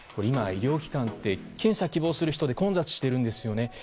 今、医療機関って、検査を希望する人で混雑しているんですよね。